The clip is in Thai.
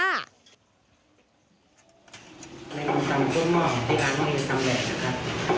ในกลุ่มทำข้นหม่อที่ร้านนี้ก็ทำแหลกนะครับ